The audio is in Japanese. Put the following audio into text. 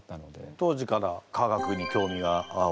当時から科学に興味がおありで？